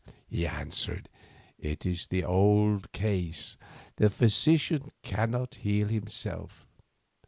he answered, "it is the old case, the physician cannot heal himself.